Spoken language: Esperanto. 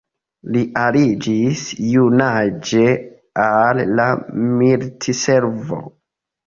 Li aliĝis junaĝe al la militservo.